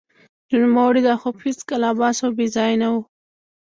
د نوموړي دا خوب هېڅکله عبث او بې ځای نه و